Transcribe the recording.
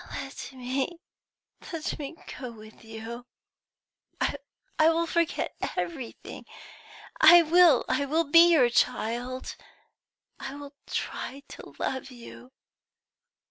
"Let me, let me go with you! I will forget everything I will be your child I will try to love you.